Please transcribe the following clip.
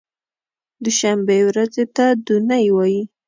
دوشنبې ورځې ته دو نۍ وایی